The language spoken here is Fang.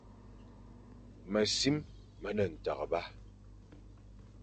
Mesim me ne nteghba.